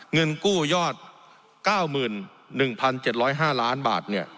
เงินกู้ยอด๙๑๗๐๕ล้านบาท